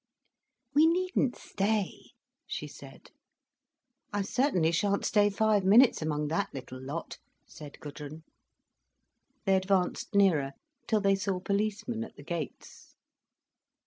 "We needn't stay," she said. "I certainly shan't stay five minutes among that little lot," said Gudrun. They advanced nearer, till they saw policemen at the gates.